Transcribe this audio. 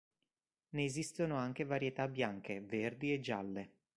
Ne esistono anche varietà bianche, verdi e gialle.